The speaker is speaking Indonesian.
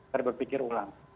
harus berpikir ulang